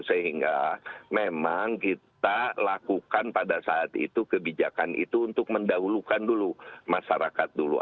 sehingga memang kita lakukan pada saat itu kebijakan itu untuk mendahulukan dulu masyarakat dulu